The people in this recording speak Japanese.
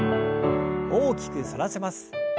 大きく反らせます。